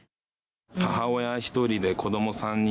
母親一人で子ども３人を。